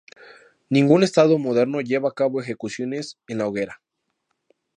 Ningún Estado moderno lleva a cabo ejecuciones en la hoguera.